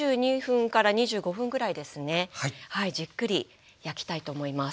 じっくり焼きたいと思います。